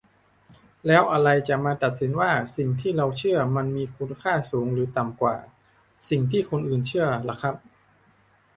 แล้วอะไรจะมาตัดสินว่า สิ่งที่เราเชื่อ มันมีคุณค่าสูงหรือต่ำกว่า สิ่งที่คนอื่นเชื่อ ล่ะครับ ?